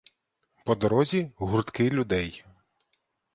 По дорозі гуртки людей.